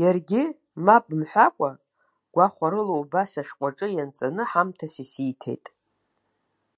Иаргьы, мап мҳәакәа, гәахәарыла убас ашәҟәаҿы ианҵаны ҳамҭас исиҭеит.